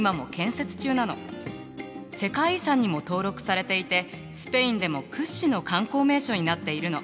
世界遺産にも登録されていてスペインでも屈指の観光名所になっているの。